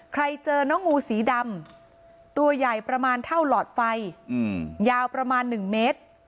เจอน้องงูสีดำตัวใหญ่ประมาณเท่าหลอดไฟยาวประมาณ๑เมตร